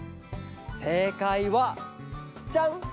せいかいはジャン！